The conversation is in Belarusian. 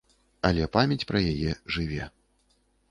Але памяць пра яе жыве.